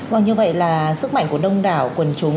vâng như vậy là sức mạnh của đông đảo quần chúng